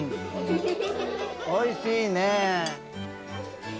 おいしいねぇ。